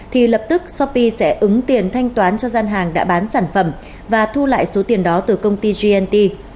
thì lập tức shopee sẽ ứng tiền thanh toán cho gian hàng đã bán sản phẩm và thu lại số tiền đó từ công ty gnt